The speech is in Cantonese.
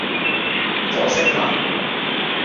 火星文